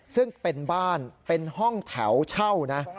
ซึ่งเป็นบ้านเป็นห้องแถวเช่านะ